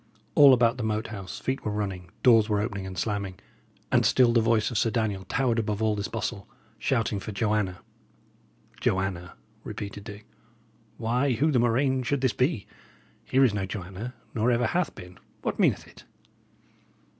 All about the Moat House feet were running, doors were opening and slamming, and still the voice of Sir Daniel towered above all this bustle, shouting for "Joanna." "Joanna!" repeated Dick. "Why, who the murrain should this be? Here is no Joanna, nor ever hath been. What meaneth it?"